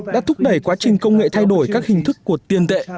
đã thúc đẩy quá trình công nghệ thay đổi các hình thức của tiền tệ